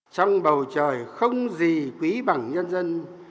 trong bầu trời không gì quý bằng nhân dân